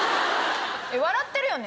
笑ってるよね？